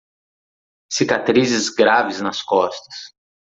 Cicatrizes graves nas costas